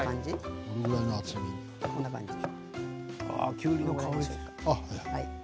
きゅうりの香りする。